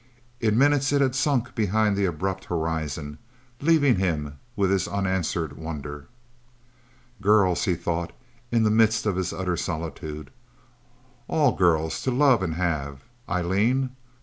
In minutes it had sunk behind the abrupt horizon, leaving him with his unanswered wonder. Girls, he thought, in the midst of his utter solitude. All girls, to love and have ... Eileen?